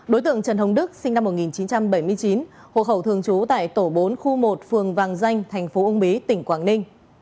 đối tượng trần hồng đức sinh năm một nghìn chín trăm bảy mươi chín hộ khẩu thường trú tại tổ bốn khu một phường vàng danh thành phố uông bí tỉnh quảng ninh